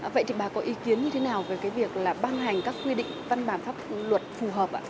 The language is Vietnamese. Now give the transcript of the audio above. vậy thì bà có ý kiến như thế nào về cái việc là ban hành các quy định văn bản pháp luật phù hợp ạ